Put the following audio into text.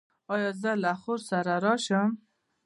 ایا زه له خور سره راشم؟